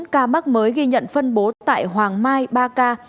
một mươi bốn ca mắc mới ghi nhận phân bố tại hoàng mai ba ca